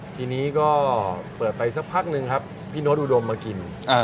ทีนี้ก็เปิดไปสักพักหนึ่งครับพี่โน๊ตอุดมมากิน